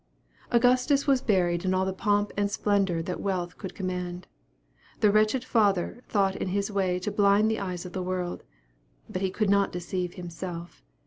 Augustus was buried in all the pomp and splendor that wealth could command. The wretched father thought in this way to blind the eyes of the world. But he could not deceive himself.